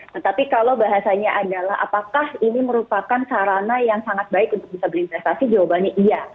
tetapi kalau bahasanya adalah apakah ini merupakan sarana yang sangat baik untuk bisa berinvestasi jawabannya iya